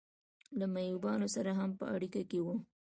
له معبودانو سره هم په اړیکه کې و.